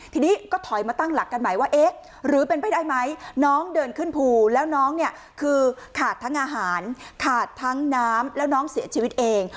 ทีนี้ก็ถอยมาตั้งหลักกันใหม่ว่าเอ๊ะหรือเป็นไปได้ไหมน้องเดินขึ้นภูแล้วน้องเนี่ยคือขาดทั้งอาหารขาดทั้งน้ำแล้วน้องเสียชีวิตเอง